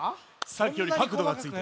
さっきよりかくどがついてる。